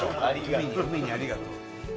海にありがとう。